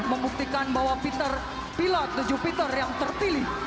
membuktikan bahwa pilot the jupiter yang terpilih